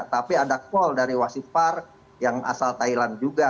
tapi ada call dari wasipar yang asal thailand juga